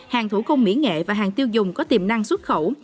hàng thủ công mỹ nghệ và hàng tiêu dùng có tiềm năng xuất khẩu